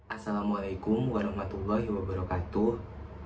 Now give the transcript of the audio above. assalamualaikum warahmatullahi wabarakatuh